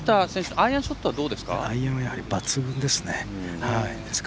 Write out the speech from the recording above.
アイアンショットはどうですか。